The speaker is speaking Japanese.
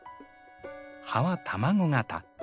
葉は卵型。